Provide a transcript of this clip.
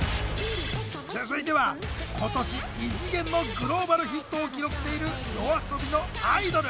続いては今年異次元のグローバルヒットを記録しているＹＯＡＳＯＢＩの「アイドル」。